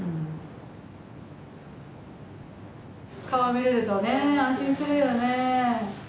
顔見れるとね安心するよね。